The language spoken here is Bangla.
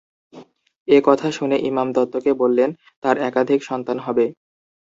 এ কথা শুনে ইমাম দত্তকে বললেন, তার একাধিক সন্তান হবে।